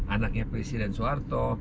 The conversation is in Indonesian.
anaknya presiden soeharto